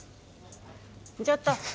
ちょっと！